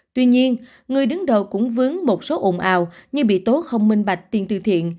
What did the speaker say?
tuy nhiên người đứng đầu cũng vướng một số ồn ào như bị tố không minh bạch tiền từ thiện